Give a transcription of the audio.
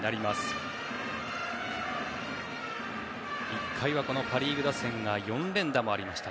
１回は、パ・リーグ打線が４連打もありました。